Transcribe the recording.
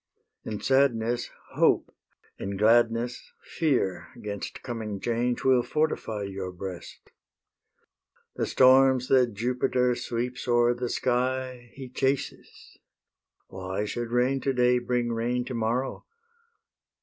In sadness hope, in gladness fear 'Gainst coming change will fortify Your breast. The storms that Jupiter Sweeps o'er the sky He chases. Why should rain to day Bring rain to morrow?